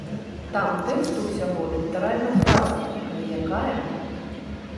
Там тэксту ўсяго літаральна фраза, але якая!